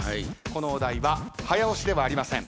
このお題は早押しではありません。